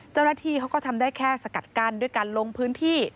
เจ้าหน้าที่เขาก็ทำได้แค่สกัดกั้นด้วยการลงพื้นที่